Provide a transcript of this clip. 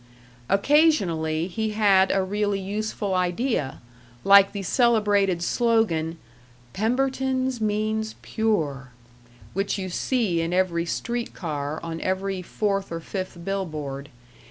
Occasionally he had a really useful idea, like the celebrated slogan, "Pemberton's Means PURE," which you see in every street car, on every fourth or fifth bill board.